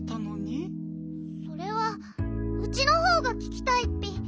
それはウチのほうがききたいッピ。